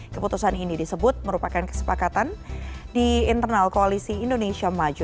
keputusan ini disebut merupakan kesepakatan di internal koalisi indonesia maju